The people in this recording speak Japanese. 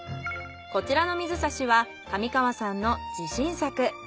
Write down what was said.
こちらの水差しは上川さんの自信作。